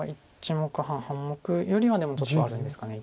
１目半半目よりはでもちょっとあるんですかね。